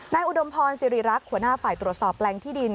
แม่อุดมพรซีรีรักษ์ขวาหน้าฝ่ายตรวจสอบแรงที่ดิน